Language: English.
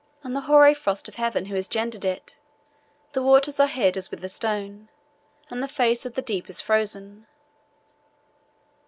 And the hoary frost of Heaven, who hath gendered it? The waters are hid as with a stone, And the face of the deep is frozen.